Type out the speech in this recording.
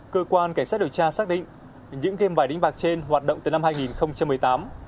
cơ quan cảnh sát điều tra xác định những game bài đánh bạc trên hoạt động từ năm hai nghìn một mươi tám